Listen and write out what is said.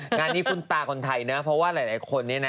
งานนี้คุ้นตาคนไทยนะเพราะว่าหลายคนเนี่ยนะ